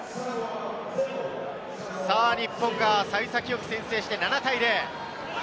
日本が幸先よく先制して７対０。